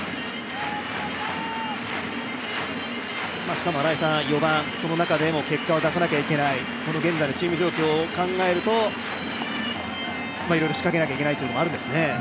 しかも新井さん、４番、その中でも結果を出さなきゃいけない、現在のチーム状況を考えるといろいろ仕掛けなければいけないというのもあるんですよね。